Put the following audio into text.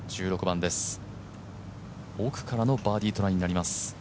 １６番です、奥からのバーディートライになります。